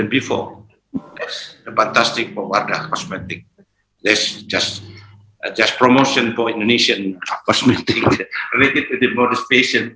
ini hanya promosi untuk kosmetik indonesia yang berkaitan dengan fesyen